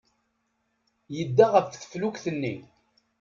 Yedda ɣef teflukt-nni.